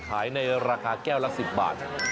ในราคาแก้วละ๑๐บาท